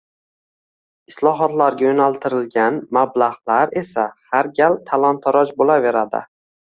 islohotlarga yo‘naltirilgan mablag‘lar esa har gal talon-taroj bo‘laveradi.